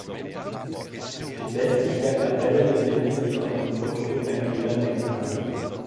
Südwestlich der Kapelle befindet sich auf dem Grundstück ein Kriegerdenkmal.